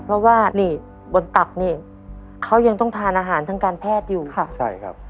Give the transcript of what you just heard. เพราะว่านี่บนตักนี่เขายังต้องทานอาหารทางการแพทย์อยู่ค่ะใช่ครับ